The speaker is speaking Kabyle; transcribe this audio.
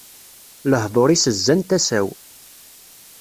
Lehduṛ-is zzan tasa-w.